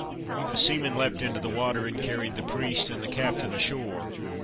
The seamen leapt into the water, and carried the priest and the captain ashore.